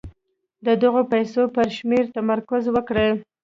د دغو پيسو پر شمېر تمرکز وکړئ.